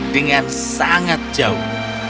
dengan sangat jauh